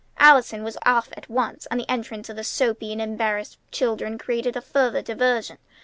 Allison was off at once, and the entrance of the soapy and embarrassed children created a further diversion.